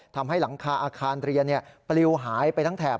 ทำให้หลังคาอาคารเรียนปลิวหายไปทั้งแถบ